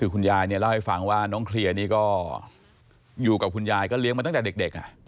คือคุณยายเนี่ยเล่าให้ฟังว่าน้องเคลียร์นี่ก็อยู่กับคุณยายก็เลี้ยงมาตั้งแต่เด็ก